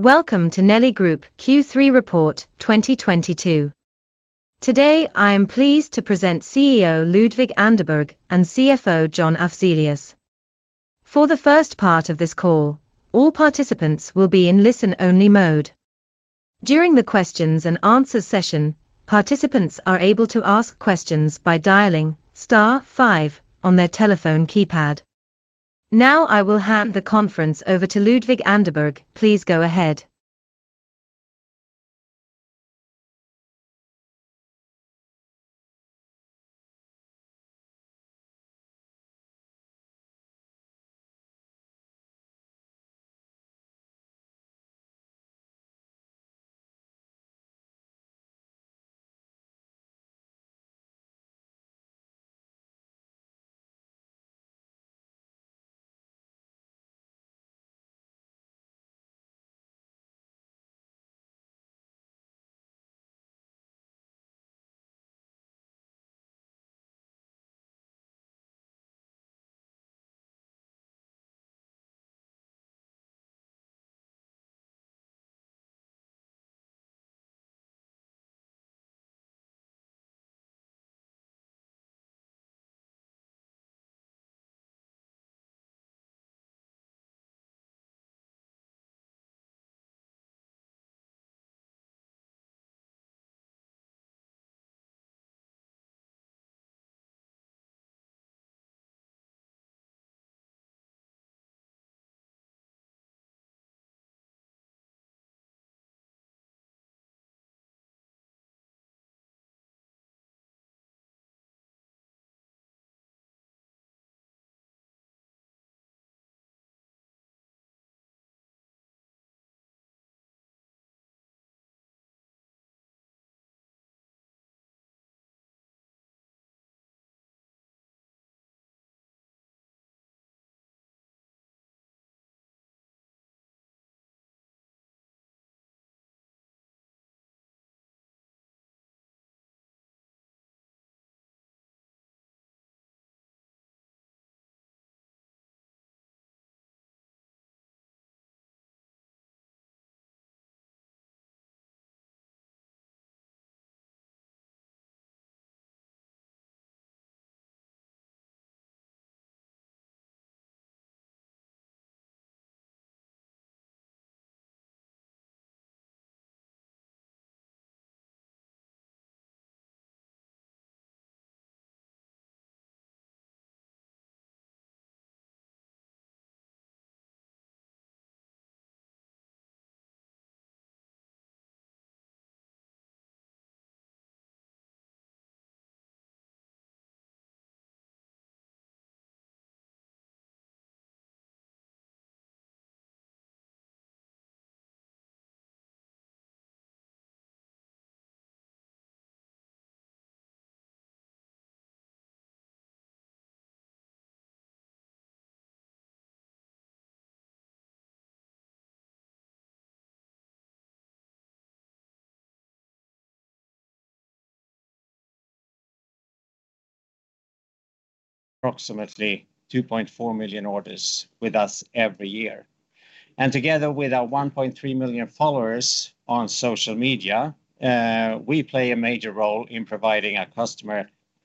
Welcome to Nelly Group Q3 report 2022. Today, I am pleased to present CEO Ludvig Anderberg and CFO John Afzelius. For the first part of this call, all participants will be in listen-only mode. During the Q&A session, participants are able to ask questions by dialing star five on their telephone keypad. Now I will hand the conference over to Ludvig Anderberg. Please go ahead. Approximately 2.4 million orders with us every year. Together with our 1.3 million followers on social media, we play a major role in providing our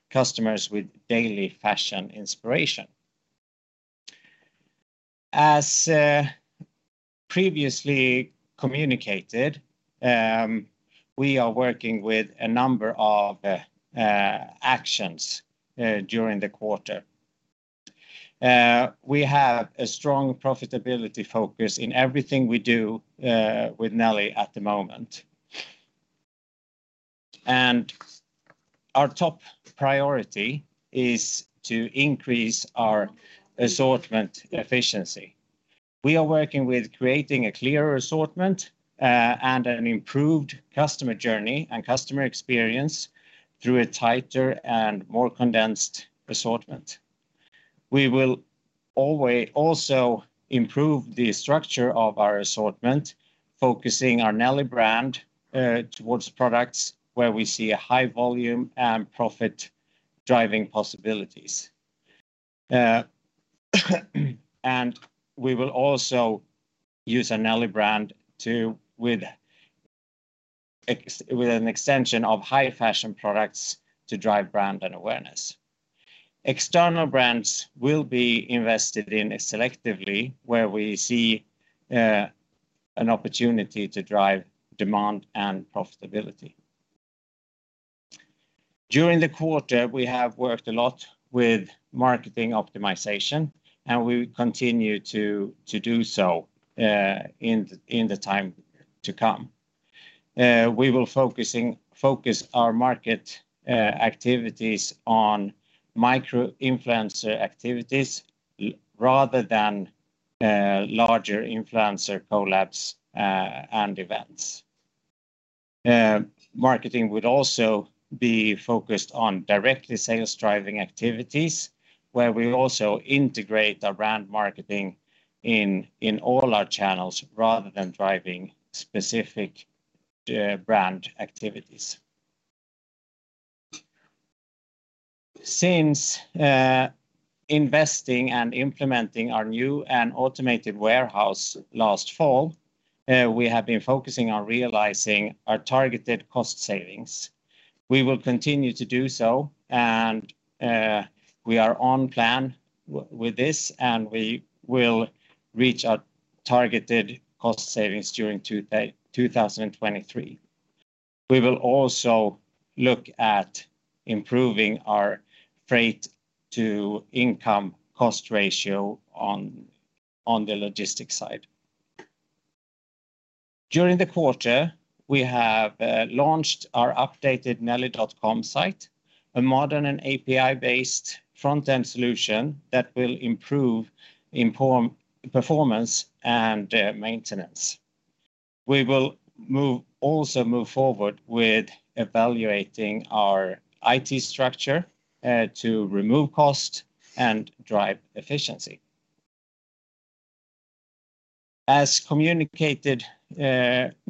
customers with daily fashion inspiration. As previously communicated, we are working with a number of actions during the quarter. We have a strong profitability focus in everything we do with Nelly at the moment. Our top priority is to increase our assortment efficiency. We are working with creating a clearer assortment, and an improved customer journey and customer experience through a tighter and more condensed assortment. We will always also improve the structure of our assortment, focusing our Nelly brand towards products where we see a high volume and profit-driving possibilities. We will also use our Nelly brand with an extension of high-fashion products to drive brand and awareness. External brands will be invested in selectively where we see an opportunity to drive demand and profitability. During the quarter, we have worked a lot with marketing optimization, and we will continue to do so in the time to come. We will focus our market activities on micro-influencer activities rather than larger influencer collabs and events. Marketing would also be focused on directly sales-driving activities, where we also integrate our brand marketing in all our channels rather than driving specific brand activities. Since investing and implementing our new and automated warehouse last fall, we have been focusing on realizing our targeted cost savings. We will continue to do so, and we are on plan with this, and we will reach our targeted cost savings during 2023. We will also look at improving our freight to income cost ratio on the logistics side. During the quarter, we have launched our updated Nelly.com site, a modern and API-based front-end solution that will improve performance and maintenance. We will also move forward with evaluating our IT structure to remove cost and drive efficiency. As communicated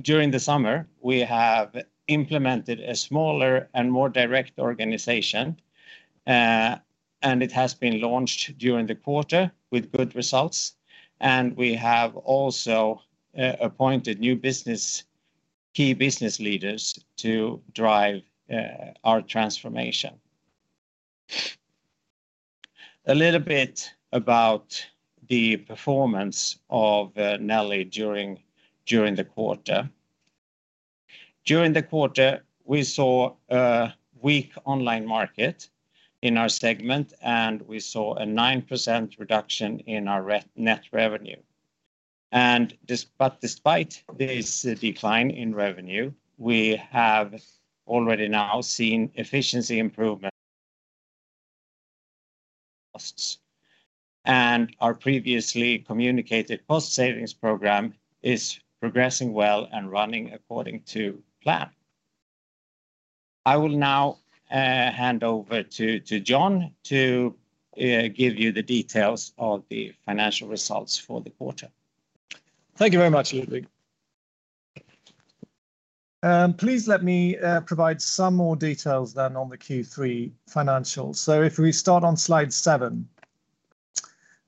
during the summer, we have implemented a smaller and more direct organization, and it has been launched during the quarter with good results. We have also appointed new business, key business leaders to drive our transformation. A little bit about the performance of Nelly during the quarter. During the quarter, we saw a weak online market in our segment, and we saw a 9% reduction in our net revenue. But despite this decline in revenue, we have already now seen efficiency improvement costs. Our previously communicated cost savings program is progressing well and running according to plan. I will now hand over to John to give you the details of the financial results for the quarter. Thank you very much, Ludvig. Please let me provide some more details then on the Q3 financials. If we start on slide seven.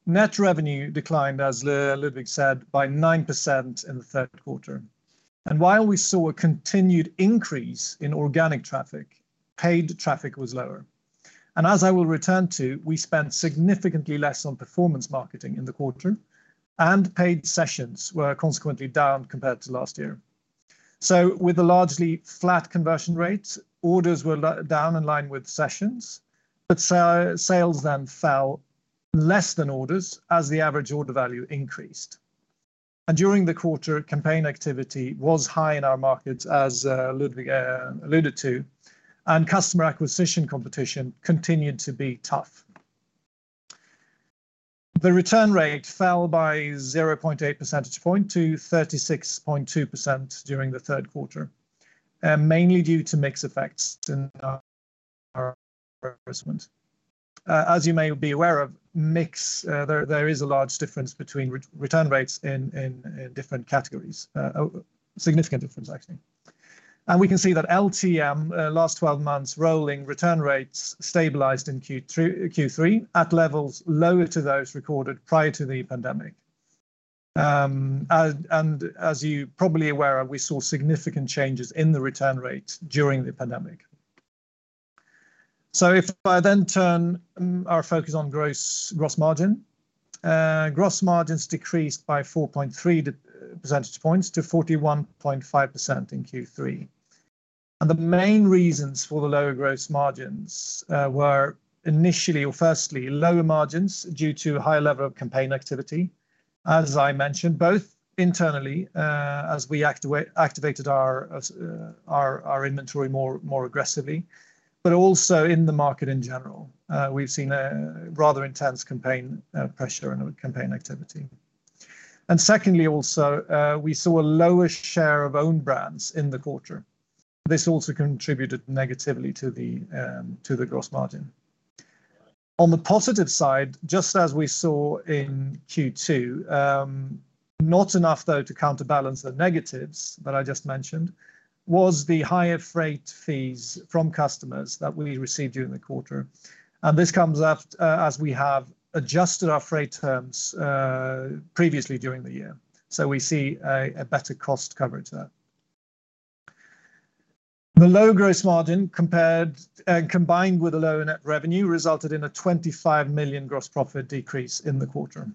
Net revenue declined, as Ludvig said, by 9% in the third quarter. While we saw a continued increase in organic traffic, paid traffic was lower. As I will return to, we spent significantly less on performance marketing in the quarter, and paid sessions were consequently down compared to last year. With the largely flat conversion rates, orders were down in line with sessions, but sales then fell less than orders as the average order value increased. During the quarter, campaign activity was high in our markets as Ludvig alluded to, and customer acquisition competition continued to be tough. The return rate fell by 0.8 percentage point to 36.2% during the third quarter, mainly due to mix effects in our procurement. As you may be aware of, mix, there is a large difference between return rates in different categories. Significant difference actually. We can see that LTM last 12 months rolling return rates stabilized in Q3 at levels lower than those recorded prior to the pandemic. As you probably aware of, we saw significant changes in the return rate during the pandemic. If I then turn our focus on gross margin. Gross margins decreased by 4.3 percentage points to 41.5% in Q3. The main reasons for the lower gross margins were initially or firstly, lower margins due to high level of campaign activity, as I mentioned, both internally, as we activated our inventory more aggressively, but also in the market in general, we've seen a rather intense campaign pressure and campaign activity. Secondly, we saw a lower share of own brands in the quarter. This also contributed negatively to the gross margin. On the positive side, just as we saw in Q2, not enough, though, to counterbalance the negatives that I just mentioned was the higher freight fees from customers that we received during the quarter. This comes as we have adjusted our freight terms previously during the year. We see a better cost coverage there. The low gross margin compared, combined with the lower net revenue resulted in a 25 million gross profit decrease in the quarter.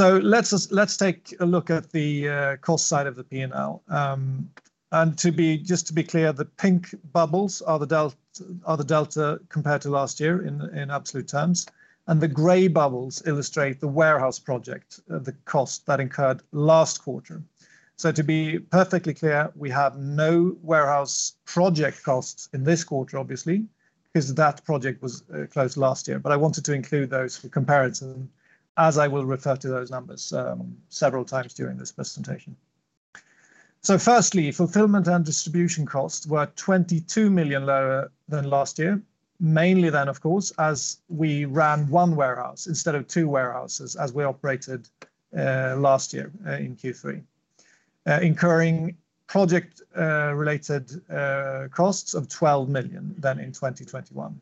Let's take a look at the cost side of the P&L. Just to be clear, the pink bubbles are the delta compared to last year in absolute terms. The gray bubbles illustrate the warehouse project, the cost that incurred last quarter. To be perfectly clear, we have no warehouse project costs in this quarter, obviously, because that project was closed last year. I wanted to include those for comparison, as I will refer to those numbers several times during this presentation. Firstly, fulfillment and distribution costs were 22 million lower than last year. Mainly, of course, as we ran one warehouse instead of two warehouses as we operated last year in Q3, incurring project-related costs of 12 million than in 2021.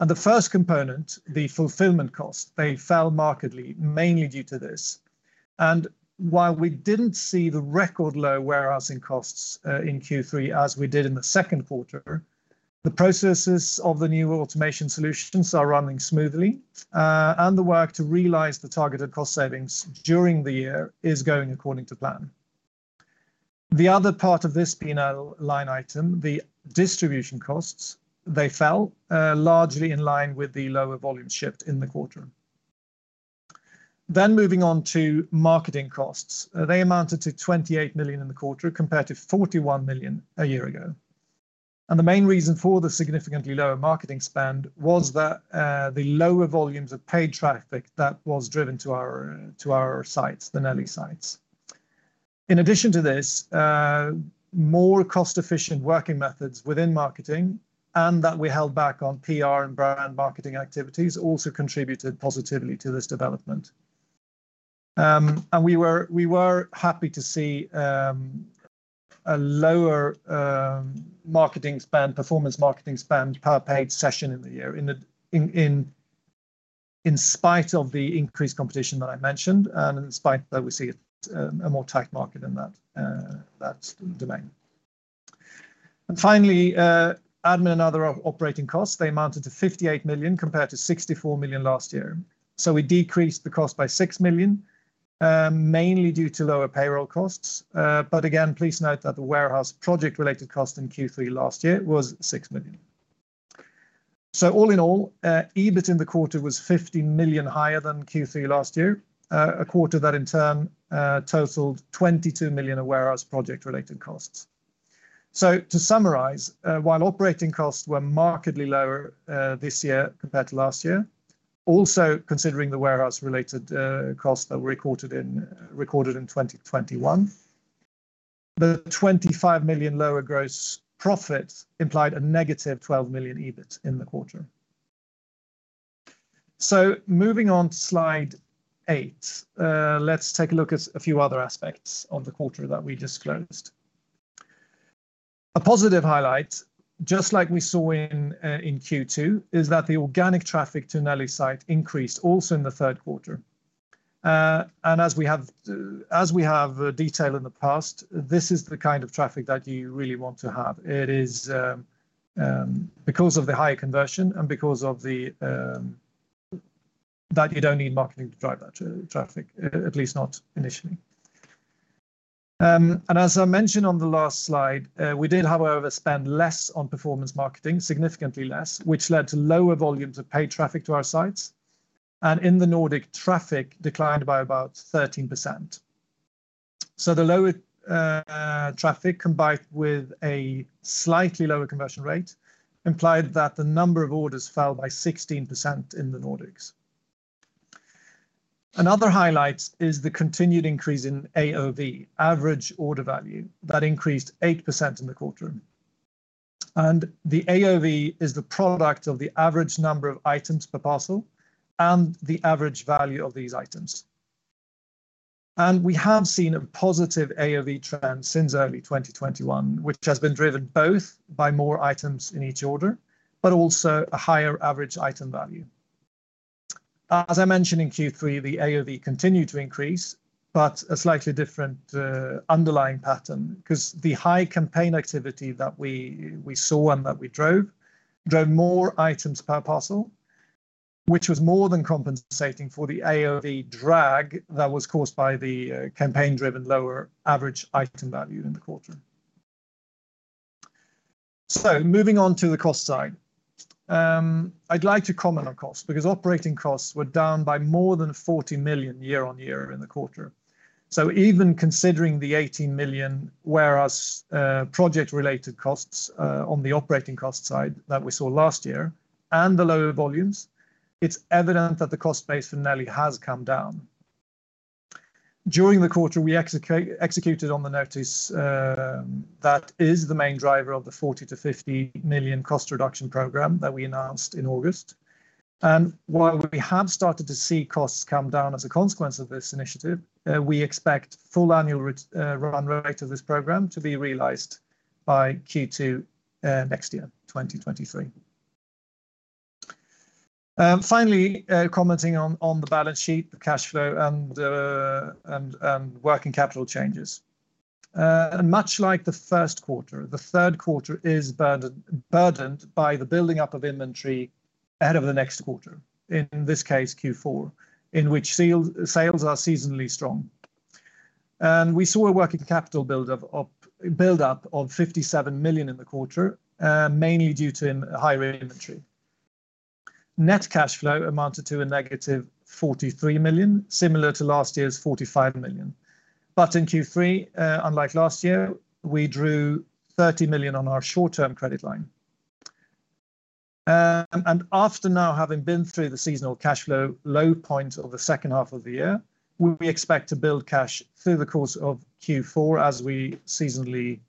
The first component, the fulfillment cost, they fell markedly mainly due to this. While we didn't see the record low warehousing costs in Q3 as we did in the second quarter, the processes of the new automation solutions are running smoothly. The work to realize the targeted cost savings during the year is going according to plan. The other part of this P&L line item, the distribution costs, they fell largely in line with the lower volume shipped in the quarter. Moving on to marketing costs. They amounted to 28 million in the quarter compared to 41 million a year ago. The main reason for the significantly lower marketing spend was that the lower volumes of paid traffic that was driven to our sites, the Nelly sites. In addition to this, more cost-efficient working methods within marketing and that we held back on PR and brand marketing activities also contributed positively to this development. We were happy to see a lower marketing spend, performance marketing spend per paid session in the year in spite of the increased competition that I mentioned and in spite that we see a more tight market in that domain. Finally, admin and other operating costs, they amounted to 58 million compared to 64 million last year. We decreased the cost by 6 million, mainly due to lower payroll costs. Again, please note that the warehouse project-related cost in Q3 last year was 6 million. All in all, EBIT in the quarter was 50 million higher than Q3 last year. A quarter that in turn totaled 22 million of warehouse project-related costs. To summarize, while operating costs were markedly lower this year compared to last year, also considering the warehouse-related costs that were recorded in 2021, the 25 million lower gross profit implied a -12 million EBIT in the quarter. Moving on to slide 8, let's take a look at a few other aspects of the quarter that we just closed. A positive highlight, just like we saw in Q2, is that the organic traffic to Nelly site increased also in the third quarter. As we have detailed in the past, this is the kind of traffic that you really want to have. It is because of the higher conversion and because of that you don't need marketing to drive that traffic at least not initially. As I mentioned on the last slide, we did, however, spend less on performance marketing, significantly less, which led to lower volumes of paid traffic to our sites. In the Nordics, traffic declined by about 13%. The lower traffic combined with a slightly lower conversion rate implied that the number of orders fell by 16% in the Nordics. Another highlight is the continued increase in AOV, average order value. That increased 8% in the quarter. The AOV is the product of the average number of items per parcel and the average value of these items. We have seen a positive AOV trend since early 2021, which has been driven both by more items in each order, but also a higher average item value. As I mentioned in Q3, the AOV continued to increase, but a slightly different underlying pattern because the high campaign activity that we saw and that we drove more items per parcel, which was more than compensating for the AOV drag that was caused by the campaign-driven lower average item value in the quarter. Moving on to the cost side. I'd like to comment on costs because operating costs were down by more than 40 million year-on-year in the quarter. Even considering the 18 million warehouse project-related costs on the operating cost side that we saw last year and the lower volumes, it's evident that the cost base for Nelly has come down. During the quarter, we executed on the notice that is the main driver of the 40 million-50 million cost reduction program that we announced in August. While we have started to see costs come down as a consequence of this initiative, we expect full annual run rate of this program to be realized by Q2 next year, 2023. Finally, commenting on the balance sheet, the cash flow and working capital changes. Much like the first quarter, the third quarter is burdened by the building up of inventory ahead of the next quarter, in this case Q4, in which sales are seasonally strong. We saw a working capital buildup of 57 million in the quarter, mainly due to higher inventory. Net cash flow amounted to -43 million, similar to last year's 45 million. In Q3, unlike last year, we drew 30 million on our short-term credit line. After now having been through the seasonal cash flow low point of the second half of the year, we expect to build cash through the course of Q4 as we seasonally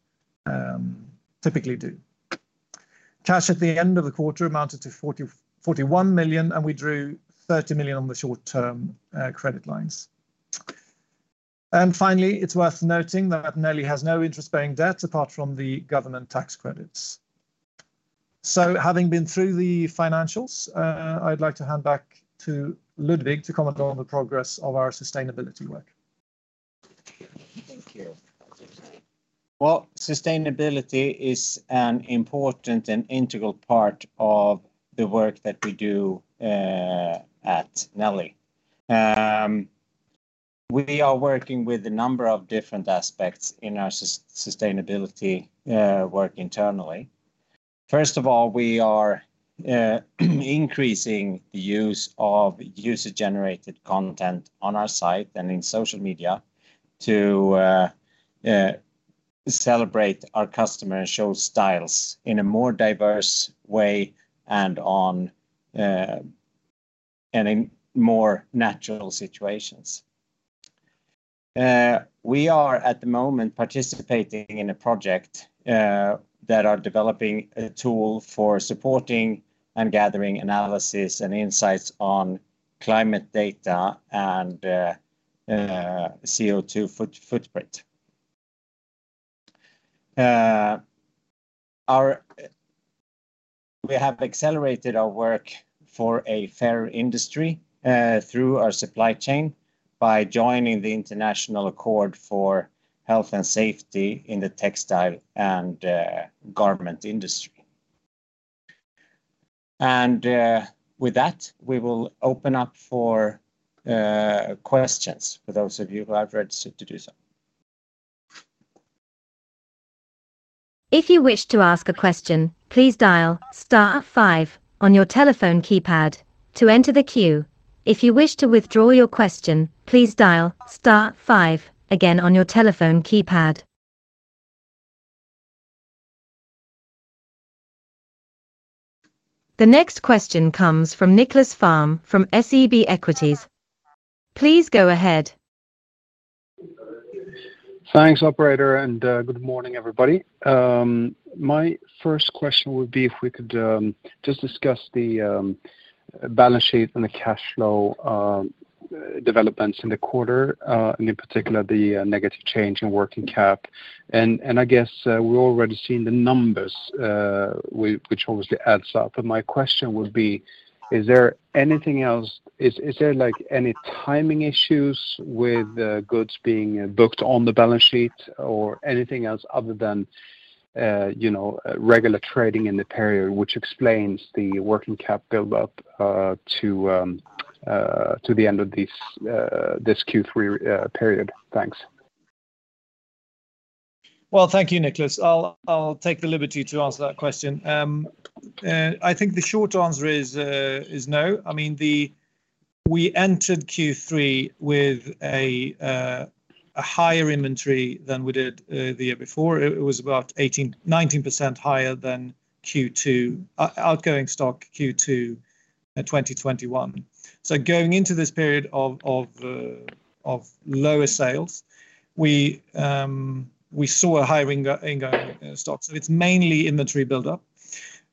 typically do. Cash at the end of the quarter amounted to 41 million, and we drew 30 million on the short-term credit lines. Finally, it's worth noting that Nelly has no interest-bearing debt apart from the government tax credits. Having been through the financials, I'd like to hand back to Ludvig to comment on the progress of our sustainability work. Thank you. Well, sustainability is an important and integral part of the work that we do at Nelly. We are working with a number of different aspects in our sustainability work internally. First of all, we are increasing the use of user-generated content on our site and in social media to celebrate our customer and show styles in a more diverse way and in more natural situations. We are at the moment participating in a project that are developing a tool for supporting and gathering analysis and insights on climate data and CO2 footprint. We have accelerated our work for a fairer industry through our supply chain by joining the International Accord for Health and Safety in the Textile and Garment Industry. With that, we will open up for questions for those of you who have registered to do so. If you wish to ask a question, please dial star five on your telephone keypad to enter the queue. If you wish to withdraw your question, please dial star five again on your telephone keypad. The next question comes from Nicklas Fhärm from SEB Equities. Please go ahead. Thanks, operator, and good morning, everybody. My first question would be if we could just discuss the balance sheet and the cash flow developments in the quarter, and in particular, the negative change in working cap. I guess we're already seeing the numbers, which obviously adds up. My question would be, is there anything else? Is there, like, any timing issues with goods being booked on the balance sheet or anything else other than, you know, regular trading in the period which explains the working cap build-up to the end of this Q3 period? Thanks. Well, thank you, Nicklas. I'll take the liberty to answer that question. I think the short answer is no. I mean, we entered Q3 with a higher inventory than we did the year before. It was about 19% higher than Q2 outgoing stock Q2 2021. Going into this period of lower sales, we saw a higher incoming stock, so it's mainly inventory build-up.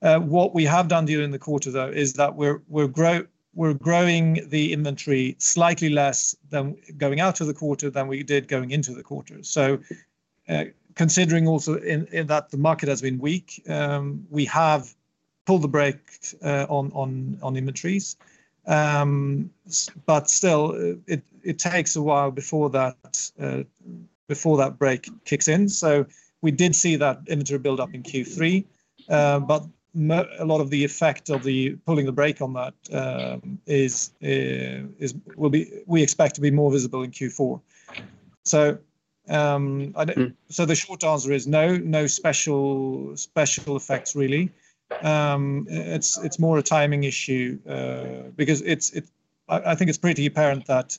What we have done during the quarter though is that we're growing the inventory slightly less than going out of the quarter than we did going into the quarter. Considering also in that the market has been weak, we have pulled the brake on inventories. Still, it takes a while before that brake kicks in. We did see that inventory build up in Q3. A lot of the effect of pulling the brake on that will be more visible in Q4, we expect. The short answer is no special effects really. It's more a timing issue because I think it's pretty apparent that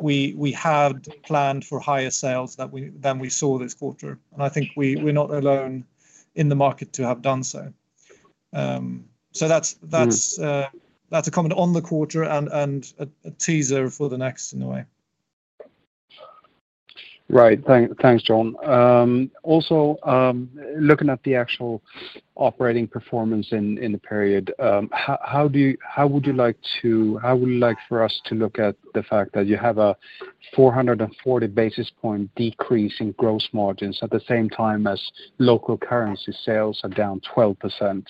we had planned for higher sales than we saw this quarter. I think we're not alone in the market to have done so. That's a comment on the quarter and a teaser for the next in a way. Right. Thanks, John. Also, looking at the actual operating performance in the period, how would you like for us to look at the fact that you have a 440 basis point decrease in gross margins at the same time as local currency sales are down 12%?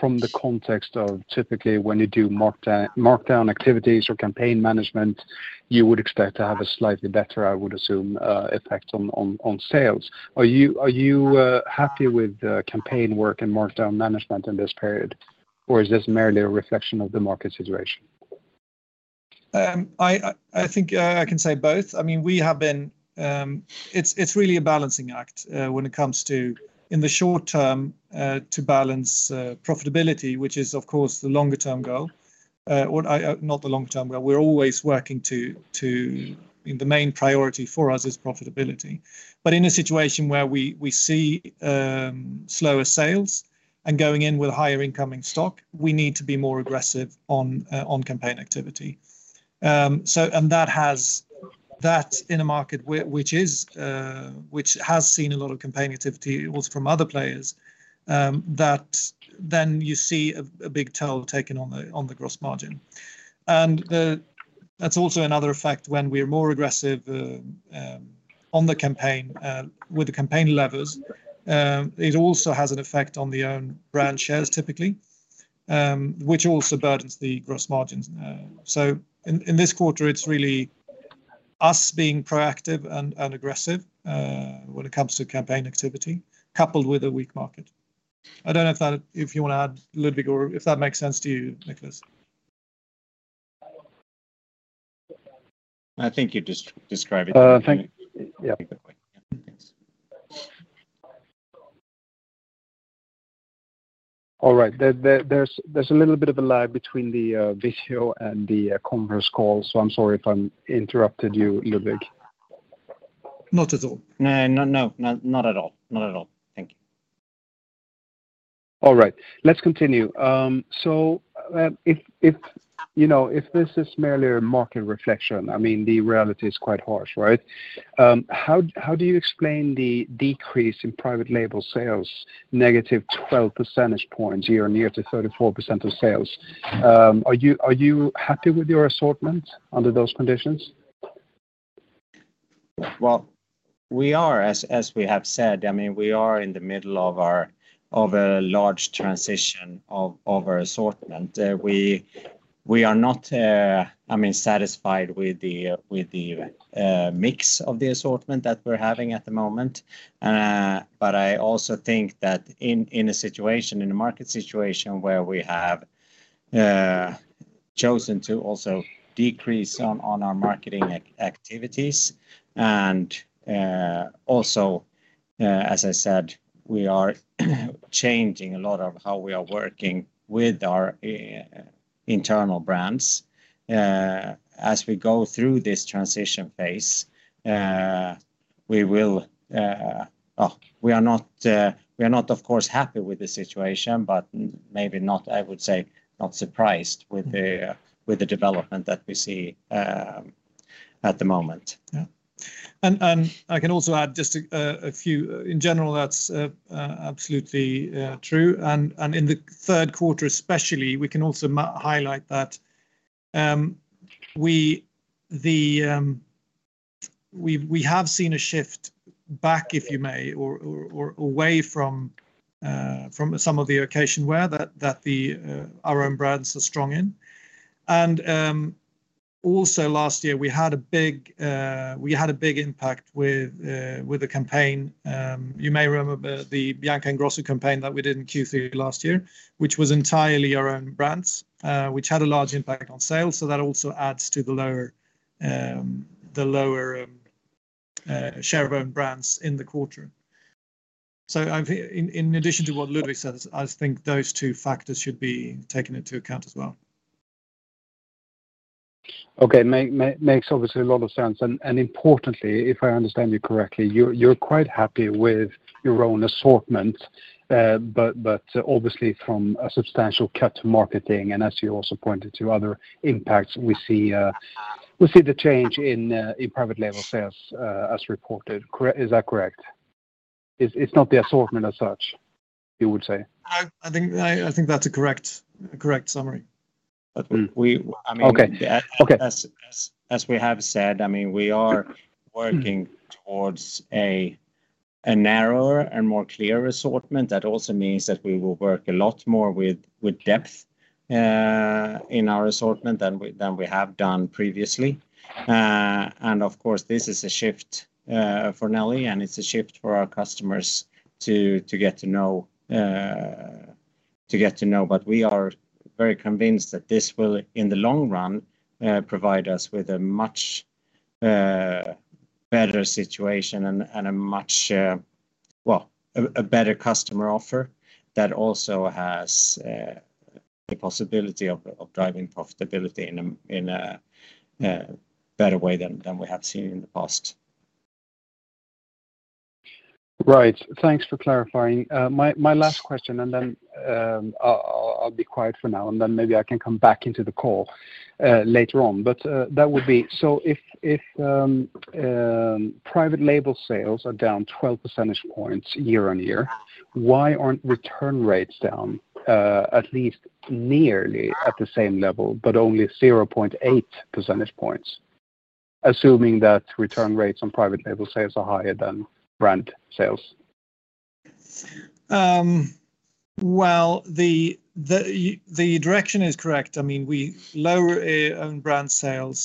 From the context of typically when you do markdown activities or campaign management, you would expect to have a slightly better, I would assume, effect on sales. Are you happy with the campaign work and markdown management in this period, or is this merely a reflection of the market situation? I think I can say both. I mean, we have been. It's really a balancing act when it comes to, in the short term, to balance profitability, which is, of course, the longer term goal. Not the long term goal. The main priority for us is profitability. In a situation where we see slower sales and going in with higher incoming stock, we need to be more aggressive on campaign activity. That has, that in a market which has seen a lot of campaign activity also from other players, that then you see a big toll taken on the gross margin. That's also another effect when we're more aggressive on the campaign with the campaign levers. It also has an effect on the own brand shares typically, which also burdens the gross margins. In this quarter, it's really us being proactive and aggressive when it comes to campaign activity, coupled with a weak market. I don't know if that. If you wanna add, Ludvig, or if that makes sense to you, Nicklas. I think you've described it. Perfectly. Thanks. All right. There, there's a little bit of a lag between the video and the conference call, so I'm sorry if I interrupted you, Ludvig. Not at all. No. Not at all. Thank you. All right. Let's continue. If you know, if this is merely a market reflection, I mean, the reality is quite harsh, right? How do you explain the decrease in private label sales, negative 12 percentage points year-on-year to 34% of sales? Are you happy with your assortment under those conditions? We are, as we have said, I mean, we are in the middle of a large transition of our assortment. We are not, I mean, satisfied with the mix of the assortment that we're having at the moment. I also think that in a situation, in a market situation where we have chosen to also decrease on our marketing activities and also, as I said, we are changing a lot of how we are working with our internal brands. As we go through this transition phase, we are not, of course, happy with the situation, but maybe not, I would say, not surprised with the development that we see at the moment. Yeah. I can also add just a few. In general, that's absolutely true. In the third quarter especially, we can also highlight that we have seen a shift back, if you may, or away from some of the occasions where our own brands are strong in. Also last year, we had a big impact with the campaign. You may remember the Bianca Ingrosso campaign that we did in Q3 last year, which was entirely our own brands, which had a large impact on sales. That also adds to the lower share of own brands in the quarter. I feel. In addition to what Ludvig says, I think those two factors should be taken into account as well. Okay. Makes obviously a lot of sense. Importantly, if I understand you correctly, you're quite happy with your own assortment. But obviously from a substantial cut to marketing, and as you also pointed to other impacts, we see the change in private label sales as reported. Correct? Is that correct? It's not the assortment as such, you would say. I think that's a correct summary. We, I mean. Okay. Okay As we have said, I mean, we are working towards a narrower and more clear assortment. That also means that we will work a lot more with depth in our assortment than we have done previously. Of course, this is a shift for Nelly, and it's a shift for our customers to get to know. We are very convinced that this will, in the long run, provide us with a much better situation and a much, well, a better customer offer that also has the possibility of driving profitability in a better way than we have seen in the past. Right. Thanks for clarifying. My last question, and then I'll be quiet for now, and then maybe I can come back into the call later on. That would be. If private label sales are down 12 percentage points year-on-year, why aren't return rates down at least nearly at the same level, but only 0.8 percentage points, assuming that return rates on private label sales are higher than brand sales? Well, the direction is correct. I mean, we lower own brand sales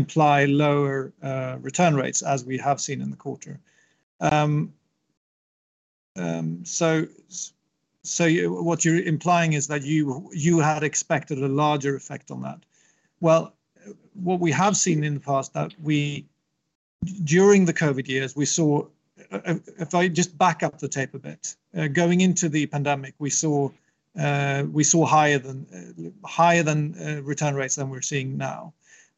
imply lower return rates as we have seen in the quarter. So what you're implying is that you had expected a larger effect on that. Well, what we have seen in the past. During the COVID years, we saw. If I just back up the tape a bit, going into the pandemic, we saw higher return rates than we're seeing now.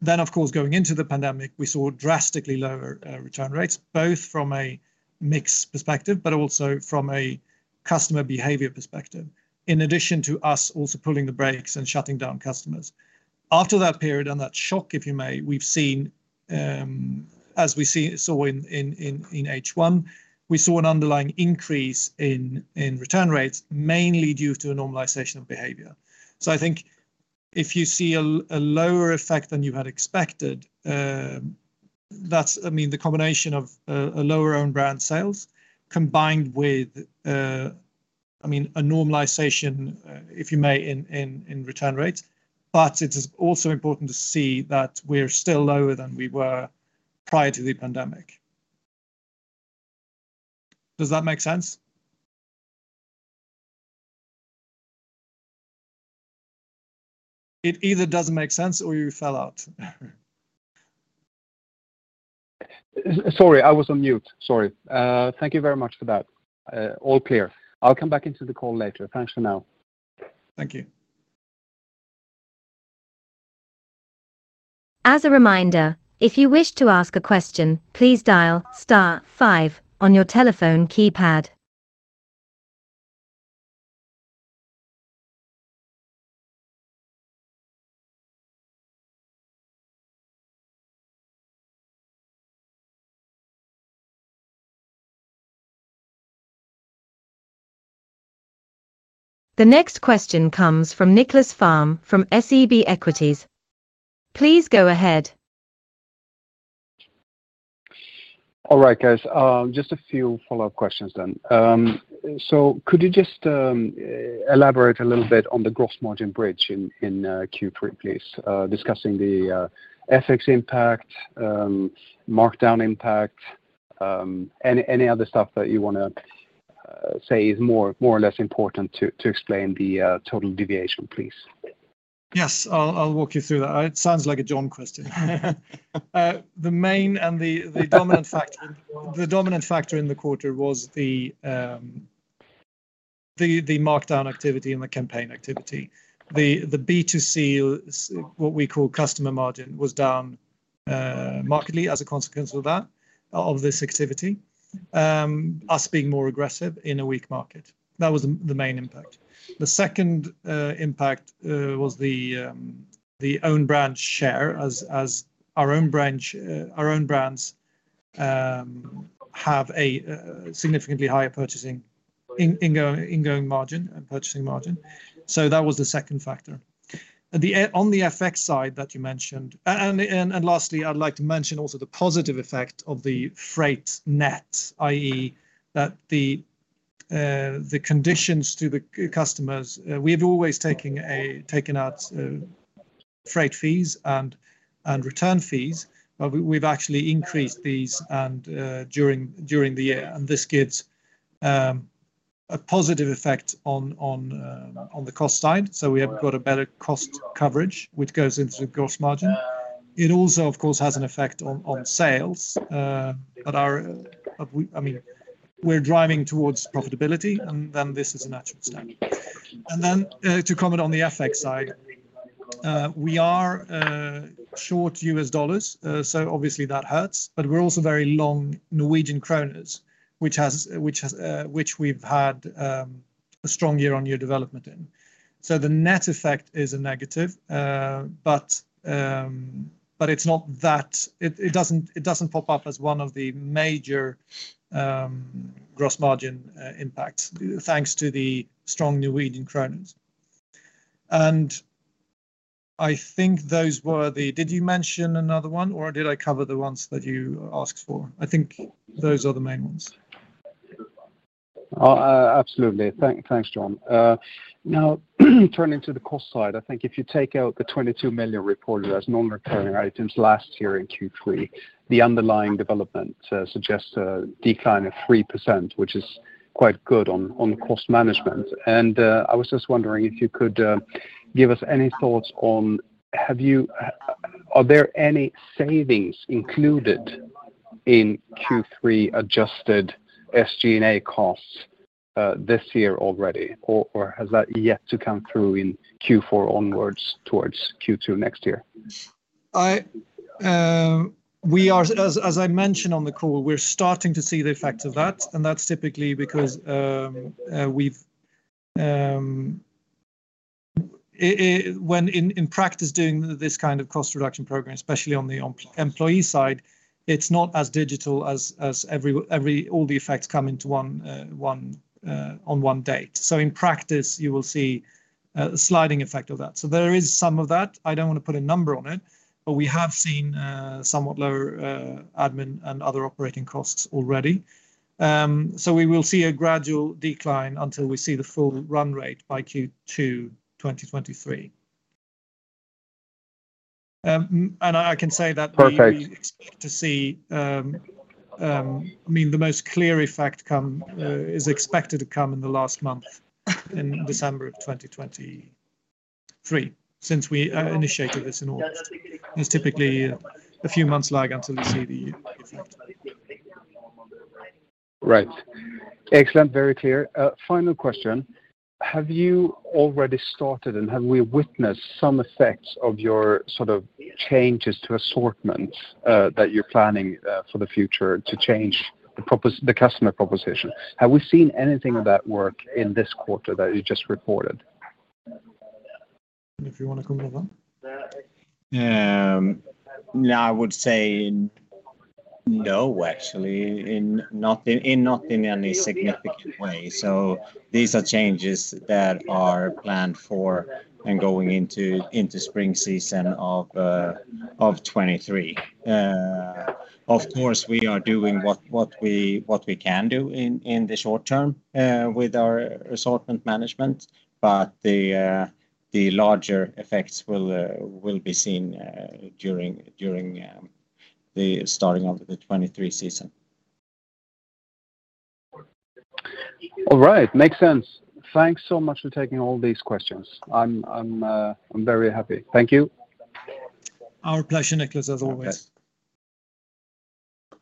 Of course, going into the pandemic, we saw drastically lower return rates, both from a mix perspective, but also from a customer behavior perspective, in addition to us also pulling the brakes and shutting down customers. After that period and that shock, if you may, we've seen, as we saw in H1, an underlying increase in return rates, mainly due to a normalization of behavior. I think if you see a lower effect than you had expected, I mean, the combination of a lower own brand sales combined with, I mean, a normalization, if you may, in return rates. But it is also important to see that we're still lower than we were prior to the pandemic. Does that make sense? It either doesn't make sense or you fell out. Sorry, I was on mute. Sorry. Thank you very much for that. All clear. I'll come back into the call later. Thanks for now. Thank you. As a reminder, if you wish to ask a question, please dial star five on your telephone keypad. The next question comes from Nicklas Fhärm from SEB Equities. Please go ahead. All right, guys. Just a few follow-up questions then. Could you just elaborate a little bit on the gross margin bridge in Q3 please, discussing the FX impact, markdown impact, any other stuff that you wanna say is more or less important to explain the total deviation, please? Yes. I'll walk you through that. It sounds like a John question. The dominant factor in the quarter was the markdown activity and the campaign activity. The B2C, what we call customer margin, was down markedly as a consequence of that, of this activity, us being more aggressive in a weak market. That was the main impact. The second impact was the own brand share as our own brands have a significantly higher purchasing incoming margin and purchasing margin. That was the second factor. On the FX side that you mentioned. Last, I'd like to mention also the positive effect of the freight net, i.e., that the conditions to the customers, we've always taken out freight fees and return fees, but we've actually increased these and during the year. This gives a positive effect on the cost side. We have got a better cost coverage, which goes into the gross margin. It also, of course, has an effect on sales, but I mean, we're driving towards profitability, and then this is a natural step. To comment on the FX side, we are short U.S. dollars, so obviously that hurts. We're also very long Norwegian kroner, which has had a strong year-over-year development. The net effect is a negative, but it's not that. It doesn't pop up as one of the major gross margin impacts, thanks to the strong Norwegian kroners. Did you mention another one, or did I cover the ones that you asked for? I think those are the main ones. Absolutely. Thanks, John. Now turning to the cost side. I think if you take out the 22 million reported as non-recurring items last year in Q3, the underlying development suggests a decline of 3%, which is quite good on cost management. I was just wondering if you could give us any thoughts on are there any savings included in Q3 adjusted SG&A costs this year already or has that yet to come through in Q4 onwards towards Q2 next year? As I mentioned on the call, we're starting to see the effects of that, and that's typically because, when in practice doing this kind of cost reduction program, especially on the employee side, it's not as digital as all the effects come in on one date. In practice, you will see a sliding effect of that. There is some of that. I don't wanna put a number on it, but we have seen somewhat lower admin and other operating costs already. We will see a gradual decline until we see the full run rate by Q2 2023, and I can say that we Perfect We expect to see, I mean, the most clear effect is expected to come in the last month in December of 2023 since we initiated this in August. It's typically a few months lag until we see the effect. Right. Excellent. Very clear. Final question. Have you already started and have we witnessed some effects of your sort of changes to assortments that you're planning for the future to change the customer proposition? Have we seen anything of that work in this quarter that you just reported? If you wanna come with that. No, I would say no, actually. Not in any significant way. These are changes that are planned for and going into spring season of 2023. Of course, we are doing what we can do in the short term with our assortment management, but the larger effects will be seen during the starting of the 2023 season. All right. Makes sense. Thanks so much for taking all these questions. I'm very happy. Thank you. Our pleasure, Nicklas, as always. Okay.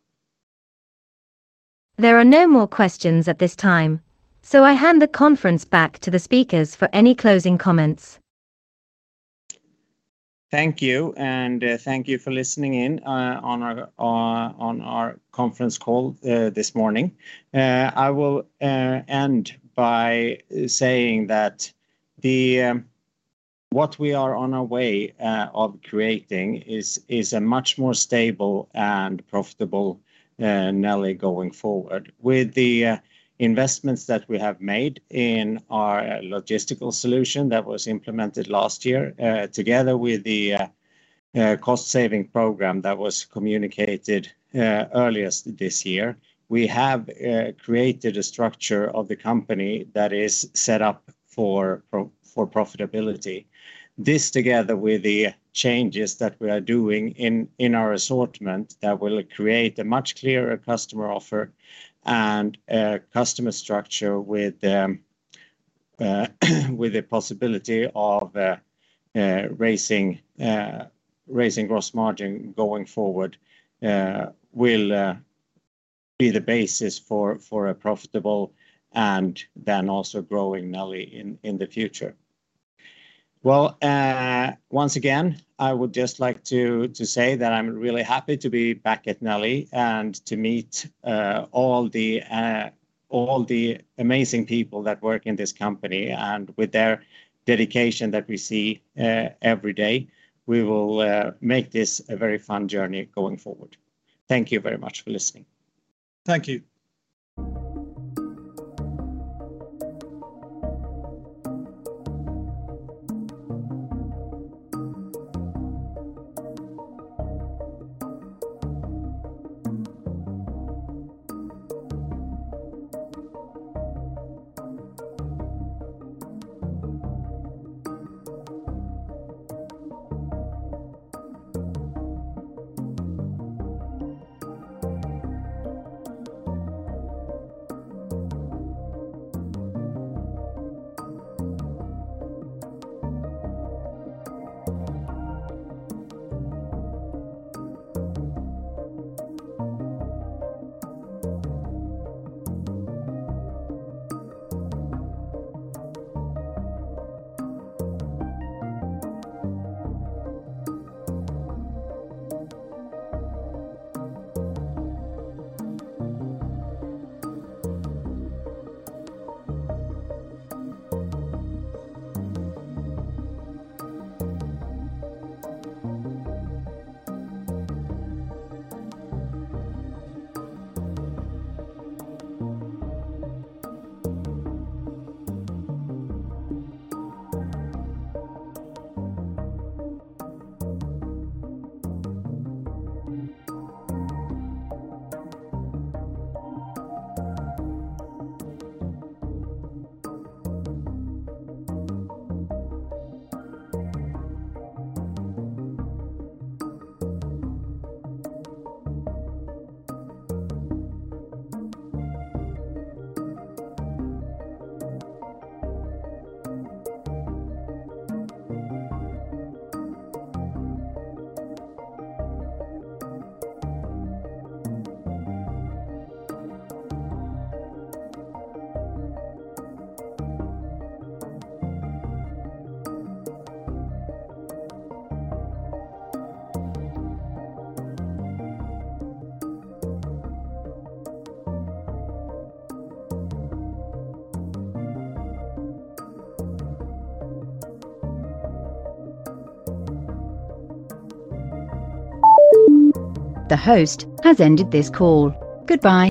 There are no more questions at this time, so I hand the conference back to the speakers for any closing comments. Thank you, and thank you for listening in on our conference call this morning. I will end by saying that what we are on our way of creating is a much more stable and profitable Nelly going forward. With the investments that we have made in our logistical solution that was implemented last year, together with the cost saving program that was communicated earlier this year, we have created a structure of the company that is set up for profitability. This together with the changes that we are doing in our assortment that will create a much clearer customer offer and a customer structure with the possibility of raising gross margin going forward, will be the basis for a profitable and then also growing Nelly in the future. Well, once again, I would just like to say that I'm really happy to be back at Nelly and to meet all the amazing people that work in this company and with their dedication that we see every day, we will make this a very fun journey going forward. Thank you very much for listening. Thank you. The host has ended this call. Goodbye.